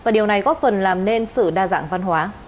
và điều này góp phần làm nên sự đa dạng văn hóa